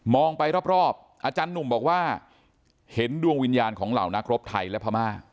ไปรอบอาจารย์หนุ่มบอกว่าเห็นดวงวิญญาณของเหล่านักรบไทยและพม่า